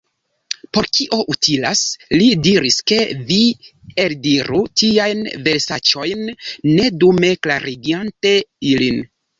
"Por kio utilas," li diris, "ke vi eldiru tiajn versaĉojn, ne dume klarigante ilin?